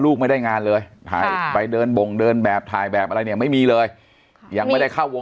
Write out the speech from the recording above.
ผู้หญิงอายุ๑๗แล้วก็เป็นผู้ชาย๘ขัว